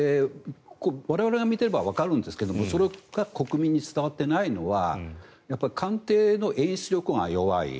我々が見ていればわかるんですけどそれが国民に伝わっていないのは官邸の演出力が弱い。